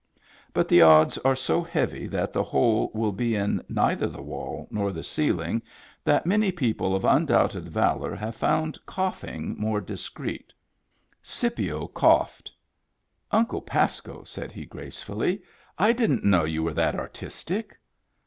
But the odds are so heavy that the hole will be in neither the wall nor the ceiling that many people of un doubted valor have found coughing more dis creet. Scipio coughed. " Uncle Pasco," said he gracefully, " I didn't know you were that artistic."